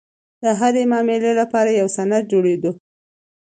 د هرې معاملې لپاره یو سند جوړېده.